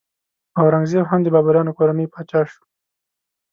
اورنګ زیب هم د بابریانو کورنۍ پاچا شو.